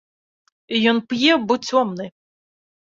Ён п'е, бо цёмны.